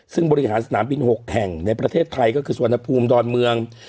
ซึ่งบริหารสนามบิน๖แห่งในประเทศไทยก็คือสุวรรณภูมิดอนเมือง